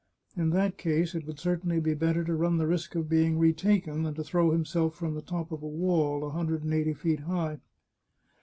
In that case it would certainly be better to run the risk of being retaken than to throw himself from the top of a wall a hundred and eighty feet high.